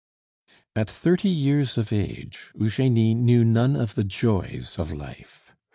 At thirty years of age Eugenie knew none of the joys of life.